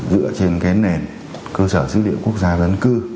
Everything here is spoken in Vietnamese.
dựa trên nền cơ sở dữ liệu quốc gia dân cư